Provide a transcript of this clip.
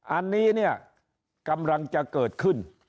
อันนี้เนี่ยกำลังจะเกิดขึ้น